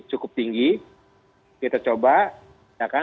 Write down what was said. cukup tinggi kita coba